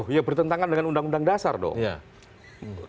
ya bertentangan dengan undang undang dasar dong